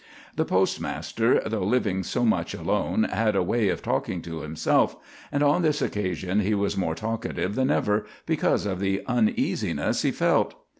The postmaster, though living so much alone, had a way of talking to himself, and on this occasion he was more talkative than ever, because of the uneasiness he felt.